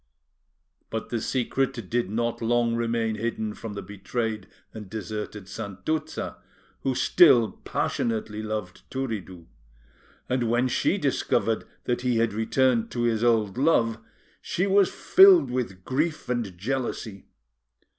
But the secret did not long remain hidden from the betrayed and deserted Santuzza, who still passionately loved Turiddu; and when she discovered that he had returned to his old love she was filled with grief and jealousy.